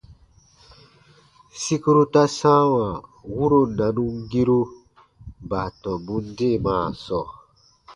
Sikuru ta sãawa wuro nanumgiru baatɔmbun deemaa sɔɔ.